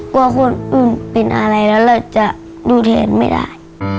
กลัวคนอื่นเป็นอะไรแล้วเราจะดูแทนไม่ได้